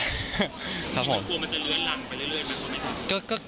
คิดว่ากลัวมันจะเลือนหลังไปเรื่อยมันควรไหมครับ